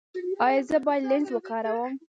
ایا زه باید لینز وکاروم؟